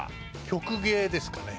曲芸ですかね。